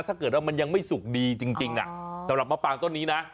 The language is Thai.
ถ้าเกิดว่ามันยังไม่สุกดีจริงสำหรับมะปางต้นนี้นะ